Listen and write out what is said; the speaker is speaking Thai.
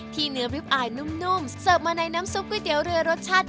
ที่เนื้อริ๊บอ่ายนุ่มเซิร์ฟมาในน้ำซุปกุ้่ีเตี๋วเรื้อรสชาติ